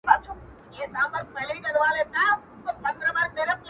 د ده په دربار کې تاجکان